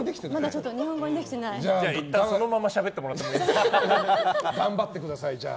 じゃあいったんそのまましゃべってもらって。